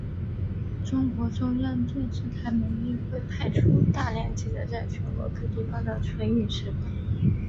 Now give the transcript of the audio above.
中国中央电视台每年也会派出大量记者在全国各地报道春运实况。